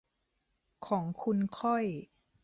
ของคุณค่อย